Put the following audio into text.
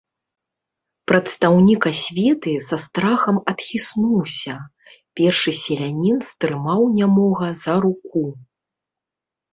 Прадстаўнік асветы са страхам адхіснуўся, першы селянін стрымаў нямога за руку.